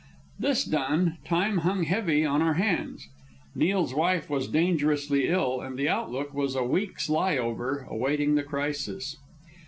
This done, time hung heavy on our hands. Neil's wife was dangerously ill, and the outlook was a week's lie over, awaiting the crisis.